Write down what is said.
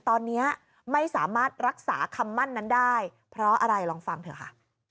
ตอนนี้ไม่สามารถรักษาคำมั่นนั้นได้เพราะอะไรลองฟังเถอะค่ะ